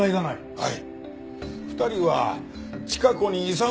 はい。